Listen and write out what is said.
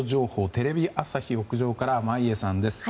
テレビ朝日屋上から眞家さんです。